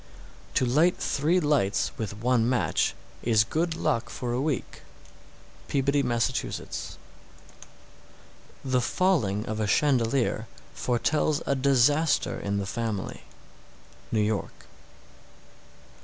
_ 708. To light three lights with one match is good luck for a week. Peabody, Mass. 709. The falling of a chandelier foretells a disaster in the family. _New York.